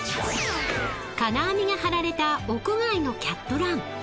［金網が張られた屋外のキャットラン］